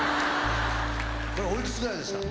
これおいくつぐらいですか？